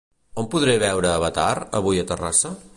On podré veure "Avatar" avui a Terrassa?